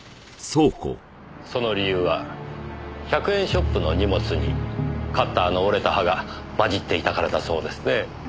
その理由は１００円ショップの荷物にカッターの折れた刃が混じっていたからだそうですねえ。